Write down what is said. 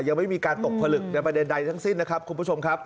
ยังไม่มีการตกผลึกในประเด็นใดทั้งสิ้นนะครับคุณผู้ชมครับ